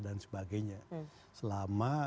dan sebagainya selama